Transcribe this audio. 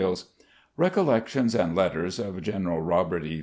434 RECOLLECTIONS AND LETTERS OF GENERAL ROBERT E.